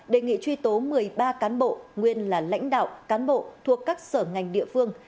đề nghị truy tố một mươi ba cán bộ nguyên là lãnh đạo cán bộ thuộc các sở ngành địa phương